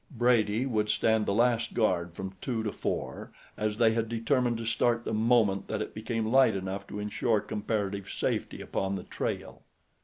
Brady would stand the last guard from two to four, as they had determined to start the moment that it became light enough to insure comparative safety upon the trail.